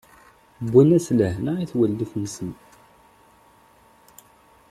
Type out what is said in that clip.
Wwin-as lehna i twellit-nsen.